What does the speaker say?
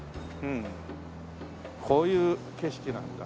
こういう景色なんだ。